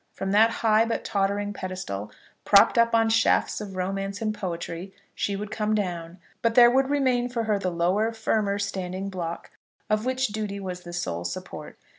From that high but tottering pedestal, propped up on shafts of romance and poetry, she would come down; but there would remain for her the lower, firmer standing block, of which duty was the sole support.